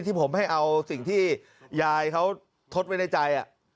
ที่ผมให้เอาสิ่งที่ยายเขาทดไว้ในใจ